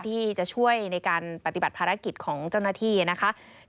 ที่จะช่วยในการปฏิบัติภารกิจของเจ้าหน้าที่นะคะ